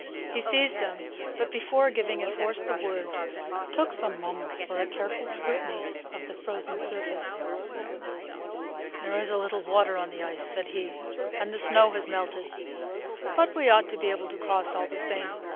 He seized them, but before giving his horse the word, took some moments for a careful scrutiny of the frozen surface. "There is a little water on the ice," said he, "and the snow has melted; but we ought to be able to cross all the same.